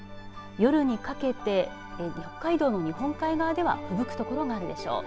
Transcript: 夜にかけて北海道の日本海側ではふぶく所があるでしょう。